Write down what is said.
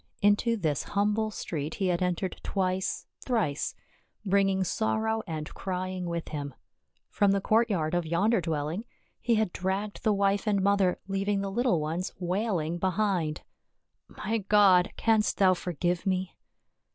Into this humble street he had entered twice, thrice, bringing sorrow and crying with him ; from the courtyard of yonder dwelling he had dragged the wife and mother, leaving the little ones wailing behind. " My God ! Canst thou forgive me